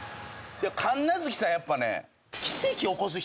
神奈月さんやっぱね。